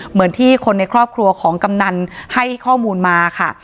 เหมือนที่คนในครอบครัวของกำนันให้ข้อมูลมาค่ะ